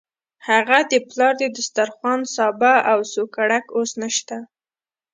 هغه د پلار د دسترخوان سابه او سوکړک اوس نشته.